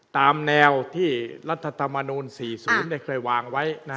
ตามแนวที่รัฐธรรมนุน๔๐ได้เคยวางไว้นะครับ